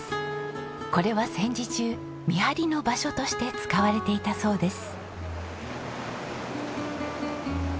これは戦時中見張りの場所として使われていたそうです。